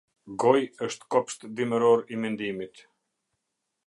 Goj është kopsht dimëror i mendimit.